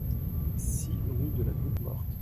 six rue de la Goutte Morte